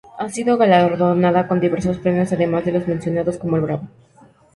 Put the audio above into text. Ha sido galardonada con diversos premios, además de los mencionados, como el ¡Bravo!